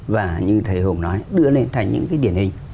và như thầy hùng nói đưa lên thành những cái điển hình